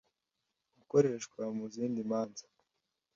gukoreshwa mu zindi manza